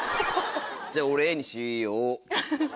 じゃあ俺Ａにしよう。